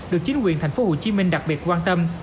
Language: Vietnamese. được chính quyền thành phố hồ chí minh đặc biệt quan tâm